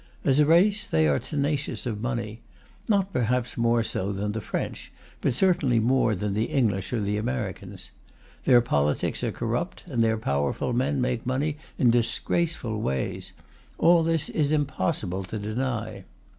As a race, they are tenacious of money not perhaps more so than the French, but certainly more than the English or the Americans. Their politics are corrupt, and their powerful men make money in disgraceful ways. All this it is impossible to deny.